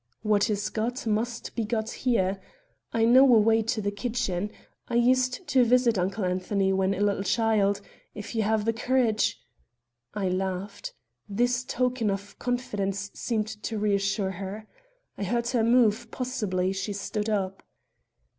"What is got must be got here. I know a way to the kitchen; I used to visit Uncle Anthony when a little child; if you have the courage " I laughed. This token of confidence seemed to reassure her. I heard her move; possibly she stood up.